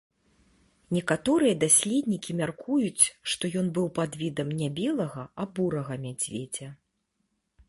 Некаторыя даследнікі мяркуюць, што ён быў падвідам не белага, а бурага мядзведзя.